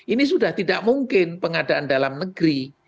ini sudah tidak mungkin pengadaan dalam negeri